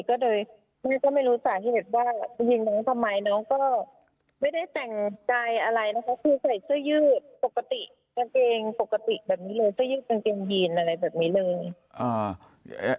เสื้อยืดกางเกงจีนอะไรแบบนี้เลย